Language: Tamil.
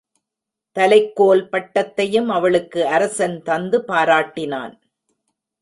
தலைக்கோல் பட்டத்தையும் அவளுக்கு அரசன் தந்து பாராட்டினான்.